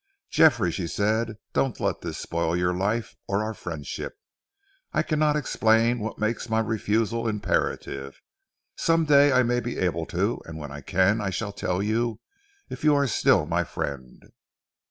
"Geoffrey," she said, "don't let this spoil your life, or our friendship. I cannot now explain what makes my refusal imperative. Some day I may be able to, and when I can I shall tell you, if you are still my friend."